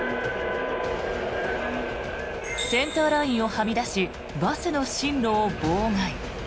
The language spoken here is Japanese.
センターラインをはみ出しバスの進路を妨害。